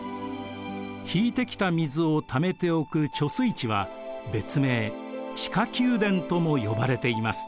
引いてきた水をためておく貯水池は別名地下宮殿とも呼ばれています。